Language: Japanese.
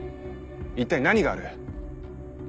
一体何がある？